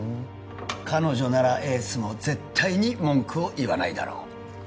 彼女ならエースも絶対に文句を言わないだろう